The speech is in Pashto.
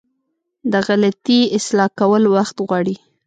د غلطي اصلاح کول وخت غواړي.